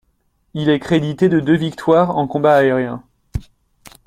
Il est crédité de deux victoires en combat aérien.